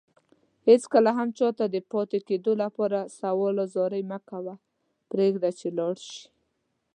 هيڅ کله هم چاته دپاتي کيدو لپاره سوال زاری مکوه پريږده چي لاړشي